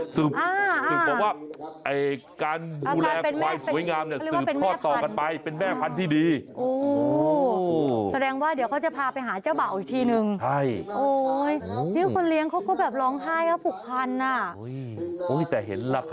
สืบบอกว่าการดูแลควายสวยงามเนี่ยสืบทอดต่อกันไปเป็นแม่พันธุ์ที่ดี